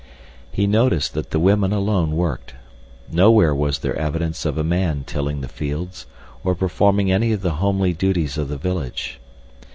He noticed that the women alone worked. Nowhere was there evidence of a man tilling the fields or performing any of the homely duties of the village.